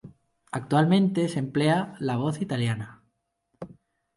Actualmente se emplea la voz italiana.